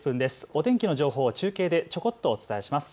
お天気の情報を中継でちょこっとお伝えします。